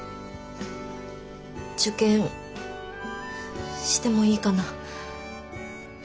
受験してもいいかな？